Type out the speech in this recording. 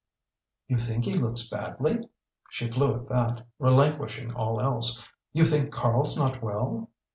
"You think he looks badly?" she flew at that, relinquishing all else. "You think Karl's not well?"